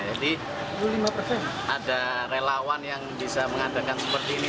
jadi ada relawan yang bisa mengandalkan seperti ini